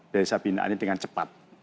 desa pembinaannya dengan cepat